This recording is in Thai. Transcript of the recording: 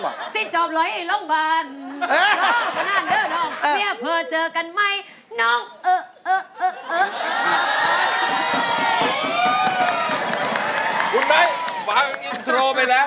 คุณไหม้วางตอนอินโทรไปแล้ว